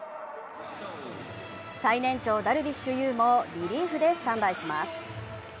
最年長、ダルビッシュ有もリリーフでスタンバイします。